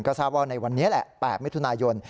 ก็ทราบว่าในวันนี้แหละ๘มิถุนายน